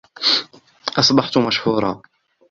أصبحت مشهورة.